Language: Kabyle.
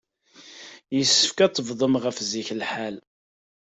Yessefk ad tebdum ɣef zik lḥal.